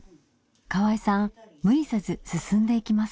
河合さん無理せず進んでいきます。